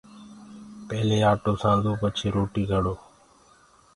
پيلي آٽو سآندو پڇي روٽيٚ گھڙو